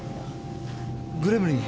グレムリン。